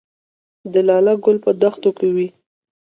د لاله ګل په دښتو کې وي